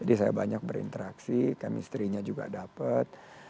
jadi saya banyak berinteraksi kemisterinya juga dapat